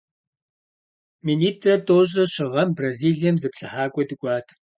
Минитӏрэ тӏощӏрэ щы гъэм Бразилием зыплъыхьакӏуэ дыкӏуат.